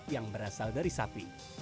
yang berasal dari sapi